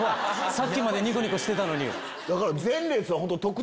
さっきまでニコニコしてたのに。